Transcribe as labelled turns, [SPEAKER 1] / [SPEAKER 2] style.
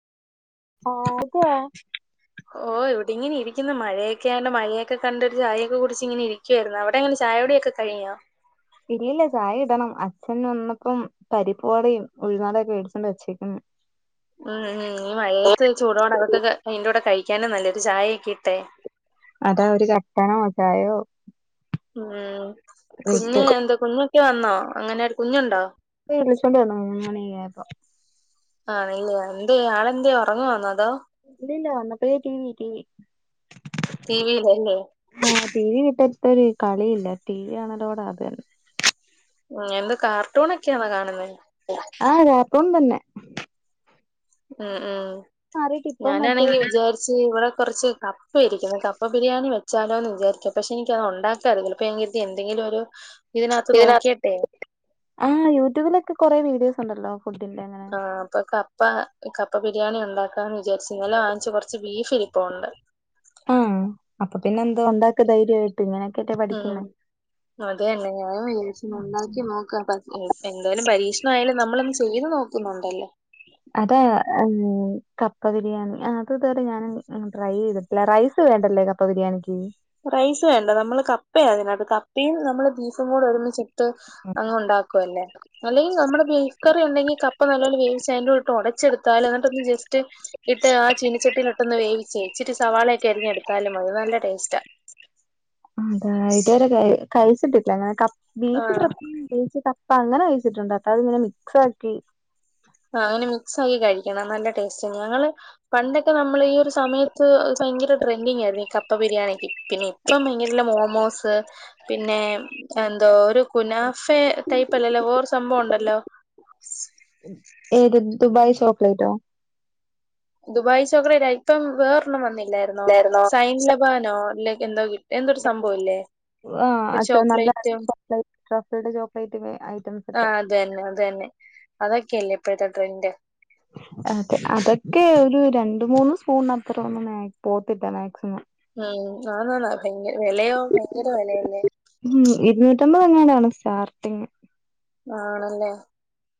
[SPEAKER 1] ആക്കുവാ?
[SPEAKER 2] ഓ, ഇവിടെ ഇങ്ങനെ ഇരിക്കുന്ന്, മഴയൊക്കെ ആയാരണം, മഴ കണ്ടൊരു ചായൊക്കെ കുടിച്ച് ഇങ്ങനെ ഇരിക് ക്കേയിരുന്നു. അവിടെ എങ്ങനെ ചായകുടി ഒക്കെ കഴിഞ്ഞോ?
[SPEAKER 1] ഇല്ലില്ല ചായ ഇടണം, അച്ഛൻ വന്നപ്പം പരിപ്പ് വടയും, ഉഴുന്ന് വടയൊക്കെ മേടിച്ച് കൊണ്ട് വച്ചേക്കുന്നു.
[SPEAKER 2] ആഹ് ആഹ്, ഈ മഴയത്ത് ചൂടോടെ അതൊക്കെ കം അയിന്റെ കൂടെ കഴിക്കാനും നല്ലത്. ഒരു ചായയൊക്കെ ഇട്ടേ.
[SPEAKER 1] അതാ, ഒരു കട്ടനോ ചായയോ?
[SPEAKER 2] ഉം,
[SPEAKER 1] ഇട്ട്
[SPEAKER 2] കുഞ്ഞ് എന്താ? കുഞ്ഞൊക്കെ വന്നോ? എങ്ങനെരു കുഞ്ഞുണ്ടോ?
[SPEAKER 1] വിളിച്ചോണ്ട് വന്നു, മൂന്ന് മണി ആയപ്പോ.
[SPEAKER 2] ആണല്ലെ, എന്തേയ് ആളെന്തേയ് ഒറങ്ങുവാണോ അതോ?
[SPEAKER 1] ഇല്ലില്ല, വന്നപ്പയേ T V T V.
[SPEAKER 2] T V യിലല്ലേ?
[SPEAKER 1] ആഹ്, ടി വി ഇട്ടട്ടൊരു കളിയില്ല, ടി വി കാണലോട ആഗ്രഹം.
[SPEAKER 2] ഉം, എന്ത കാർട്ടൂണൊക്കെയാണോ കാണുന്നേ
[SPEAKER 1] ആഹ്, കാർട്ടൂൺ തന്നെ.
[SPEAKER 2] മ്
[SPEAKER 1] മാറിട്ട്
[SPEAKER 2] മ്,
[SPEAKER 1] ഇപ്പം മറ്റേ
[SPEAKER 2] ഞാനാണെങ്കി വിചാരിച് ച്ച് ഇവിടെ കുറച്ച് കപ്പ ഇരിക്കുന്നു, കപ്പ ബിരിയാണി വെച്ചാലോ എന്ന് വിചാരിക്ക. പക്ഷെ എനിക്കത് ഒണ്ടാക്കാനറിയില്ല. അപ്പോ ഞാങ്കര്തി എന്തെങ്കിലും ഒരു ഇതിനകത്ത് നോക്കിയട്ടെ..
[SPEAKER 1] ആഹ്, യൂട്യൂബിലൊക്കെ കൊറേ വീഡിയോസ് ഒണ്ടല്ലോ, ഫുഡിന്റെ അങ്ങനെ.
[SPEAKER 2] ഇപ്പൊ കപ്പ കപ്പ ബിരിയാണി ഒണ്ടാക്കാന്ന് വിചാരിച്ച്, ഇന്നലെ വാങ്ങിച്ച കൊറച്ച് ബീഫ് ഇരിപ്പുണ്ട്.
[SPEAKER 1] ആഹ്, അപ്പൊ പിന്നെ എന്താ ഒണ്ടാക്ക് ധൈര്യായി ട്ടിങ്ങനെക്കെ പഠി
[SPEAKER 2] ആഹ്, അതെന്നെ ഞാനും വിജാരിച്ച് ഒന്ന് ഉണ്ടാക്കി നോ ക്ക, പ എ എന്തായാലും പരീക്ഷണം ആയാലും നമ്മളൊന്ന് ചത് നോക്കുന്നൊണ്ടല്ലോ.
[SPEAKER 1] അതാ ഉം കപ്പ ബിരിയാണി, അത് ഇതുവരെ ഞാൻ ട്രൈ ചെയ്തിട് ട്ടില്ല. റൈസ് വേണ്ടല്ലേ കപ്പ ബിരിയാണിക്ക്?
[SPEAKER 2] റൈസ് വേണ്ട, നമ്മള് കപ്പയ അതിനകത്ത്, കപ്പയും നമ്മള് ബീഫും കൂടെ ഒരുമിച്ച് ഇ ട്ട് അങ്ങ് ഉണ്ടാക്കുവല്ലേ. അല്ലെങ്കില് നമ്മള് ബീഫ് കറി ഉണ്ടെങ്കി, കപ്പ നല്ല പോലെ വേവിച്ച് അയിന്റൂടെട്ട് ഒടച്ചെടുത്താല് എന്നിട്ടൊന്ന് ജസ്റ്റ് ഇട്ട് ആ ചീനച്ചട്ടിയില്ട്ടൊന്ന് വേവിച്ചേ ഇച്ചിരി സവാളയൊക്കെ അരിഞ്ഞെടുത്താലും മതി, നല്ല ടേസ്റ്റാ.
[SPEAKER 1] അതാ, ഇതുവരെ കയി കഴിച്ചിട്ടില്ല ഞാൻ. കപ് ബീഫ്
[SPEAKER 2] ആഹ്
[SPEAKER 1] പ്രത്യേകിച്ച് ക പ്പ അങ്ങനെ കഴിച്ചിട്ടുണ്ട്. അത അത് ഇങ്ങനെ മിക്സ് ആക്കി.
[SPEAKER 2] ആഹ്, അങ്ങനെ മിക്സ്സാക്കി കഴിക്കണം നല്ല ടേസ്റ്റ. ഞങ്ങള് പണ്ടൊക്കെ നമ്മള് ഈ ഒരു സമയത്ത് ഭയങ്കര ട്രെന്റിങ്ങായിയിരുന്നു ഈ കപ്പ ബിരിയാണിക്ക് പിന്നെയും. ഇപ്പം ഇങ്ങനെയുള്ള മോമോസ്. പിന്നെ എന്തോ ഒരു കുനാഫെ ടൈപ്പ് അല്ലല്ലോ, വേറൊരു സംഭവം ഒണ്ടല്ലോ? [unintelligible]
[SPEAKER 1] ഏത് ദുബൈ ചോക്ക്ളയ്റ്റോ
[SPEAKER 2] ദുബായ് ചോക്ക്ളയ്റ്റ്‌ ഇപ്പം വേറെ ഒന്നും വന്നില്ലായിരുന്നോ
[SPEAKER 1] ഇല്ലായിരുന്നോ
[SPEAKER 2] സൈനില വാനോ അല്ലെ എന്തോ എന്തൊരു സംഭവം ഇല്ലേ
[SPEAKER 1] ആഹ്
[SPEAKER 2] ഒരു
[SPEAKER 1] ആചോ നല്ല
[SPEAKER 2] ചോക്ലേറ്റും
[SPEAKER 1] ചോക്ലേറ്റ് ചോക്ലേറ്റ് ചോക്ലേറ്റ് മേ അ
[SPEAKER 2] ആഹ് അതന്നെ അതന്നെ അതൊക്കെയല്ലേ ഇപ്പോഴത്തെ ട്രെൻഡ്
[SPEAKER 1] അതെ അതൊക്കെ ഒരു രണ്ട് മൂന്ന് സ്പൂൺ അത്ര ഒന്നും പോത്തില്ല മാക്സിമം
[SPEAKER 2] ഉം ആന്നന്നാ വിലയോ ഭയങ്കര വിലയല്ലേ
[SPEAKER 1] ഉം ഇരുന്നൂറ്റമ്പത് അങ്ങാണ്ടണ് സ്റ്റാർട്ടിങ്
[SPEAKER 2] ആണല്ലേ